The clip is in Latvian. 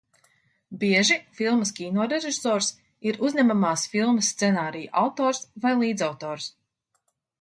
Bieži filmas kinorežisors ir uzņemamās filmas scenārija autors vai līdzautors.